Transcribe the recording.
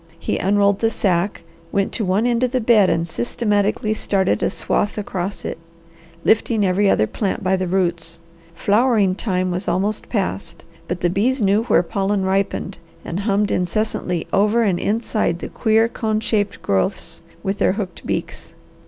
He unrolled the sack, went to one end of the bed and systematically started a swath across it, lifting every other plant by the roots. Flowering time was almost past, but the bees knew where pollen ripened, and hummed incessantly over and inside the queer cone shaped growths with their hooked beaks.